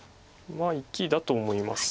まあ生きだと思います。